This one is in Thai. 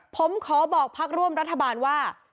ผมขอบอกพักร่วมรัฐบาลว่า